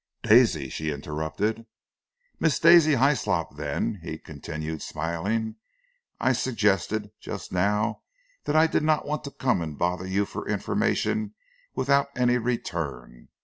"Daisy," she interrupted. "Miss Daisy Hyslop, then," he continued, smiling, "I suggested just now that I did not want to come and bother you for information without any return.